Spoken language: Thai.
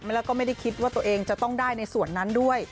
แล้วก็ไม่ได้คิดว่าตัวเองจะต้องได้ในส่วนนั้นด้วย